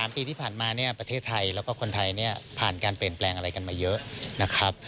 ๓ปีที่ผ่านมาประเทศไทยและคนไทยผ่านการเปลี่ยนแปลงอะไรกันมาเยอะนะครับ